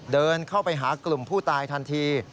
เดินเข้าไปหากลุ่มผู้ตายทันที